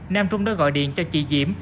nam trung đã gọi điện cho chị diễm